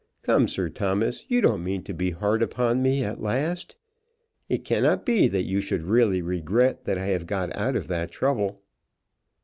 Come, Sir Thomas, you don't mean to be hard upon me at last. It cannot be that you should really regret that I have got out of that trouble."